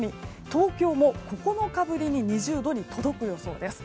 東京も９日ぶりに２０度に届く予想です。